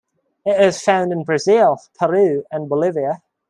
It is found in Brazil, Peru, and Bolivia.